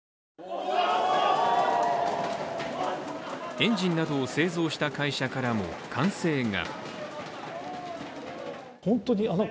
エンジンなどを製造した会社からも歓声が。